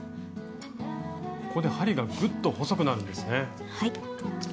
ここで針がぐっと細くなるんですね。